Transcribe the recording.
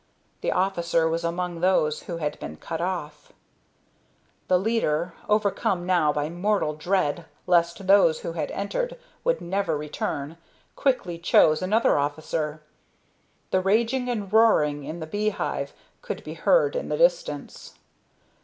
The officer was among those who had been cut off. The leader, overcome now by mortal dread lest those who had entered would never return, quickly chose another officer. The raging and roaring in the beehive could be heard in the distance.